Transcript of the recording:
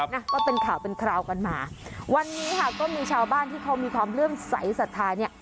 นะก็เป็นข่าวเป็นคราวกันมาวันนี้ค่ะก็มีชาวบ้านที่เขามีความเรื่องใสสัทธาเนี่ย